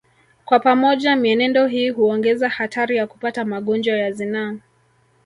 Kwa pamoja mienendo hii huongeza hatari ya kupata magonjwa ya zinaa